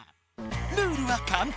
ルールはかんたん！